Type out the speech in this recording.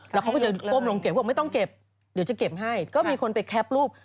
แล้วเขาก็จะก้มลงเก็บก็บอกไม่ต้องเก็บเดี๋ยวจะเก็บให้ก็มีคนไปแคปรูป